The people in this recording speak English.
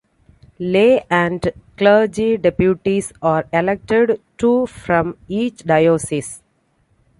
Lay and clergy Deputies are elected, two from each diocese.